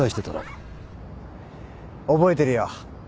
覚えてるよ。